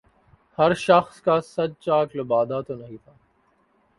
ہر شخص کا صد چاک لبادہ تو نہیں تھا